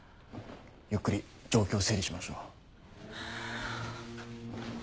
ゆっくり状況を整理しましょう。